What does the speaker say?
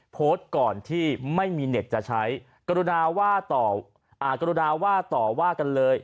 โพสต์ก่อนที่ไม่มีเน็ตจะใช้กรุณาว่าต่อว่ากันเลย